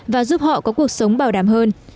và giúp họ có cuộc sống bảo đảm hơn